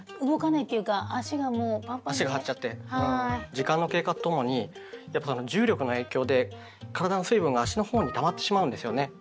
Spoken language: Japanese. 時間の経過と共に重力の影響で体の水分が足のほうにたまってしまうんですよね。